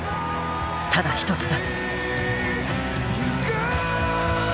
ただ一つだ。